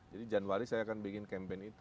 jadi januari saya akan bikin kampanye itu